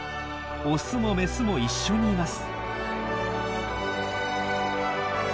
オスもメスも一緒にいます。